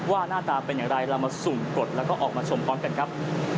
หน้าตาเป็นอย่างไรเรามาสุ่มกดแล้วก็ออกมาชมพร้อมกันครับ